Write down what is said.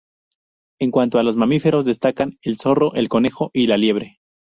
En cuanto a los mamíferos destacan: el zorro, el conejo y la liebre.